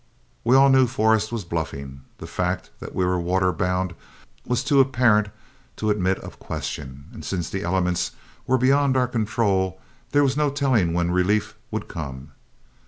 We all knew Forrest was bluffing. The fact that we were water bound was too apparent to admit of question, and since the elements were beyond our control, there was no telling when relief would come.